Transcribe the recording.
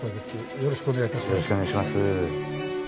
よろしくお願いします。